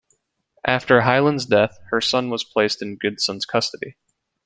After Hyland's death, her son was placed in Goodson's custody.